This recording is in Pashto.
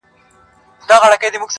تر مرگه پوري هره شـــپــــــه را روان.